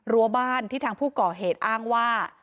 รั้วบ้านที่ทางผู้ก่อเหตุอ้างว่า